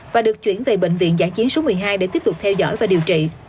và được chuyển về bệnh viện giã chiến số một mươi hai để tiếp tục theo dõi và điều trị